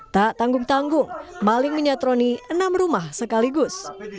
tak tanggung tanggung maling menyatroni enam rumah sekaligus